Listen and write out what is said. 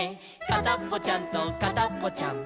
「かたっぽちゃんとかたっぽちゃん」